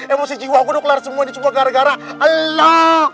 emosi jiwaku udah kelar semua ini cuma gara gara eloooooh